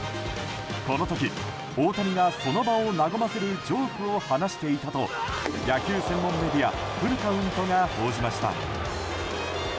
この時、大谷がその場を和ませるジョークを話していたと野球専門メディアフルカウントが報じました。